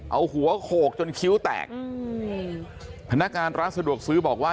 เอาหัวโขกจนคิ้วแตกอืมพนักงานร้านสะดวกซื้อบอกว่า